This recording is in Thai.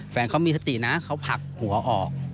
แฟนเขามีสตินะเขาผลักหัวออก